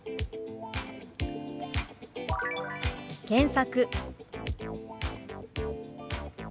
「検索」。